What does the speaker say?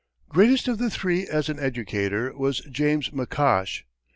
Greatest of the three as an educator was James McCosh.